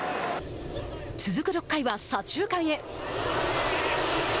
続く６回は左中間へ。